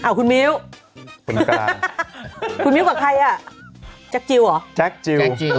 อ่ะคุณมิ้วคุณมิ้วกับใครอ่ะแจ๊กจิลหรอแจ๊กจิล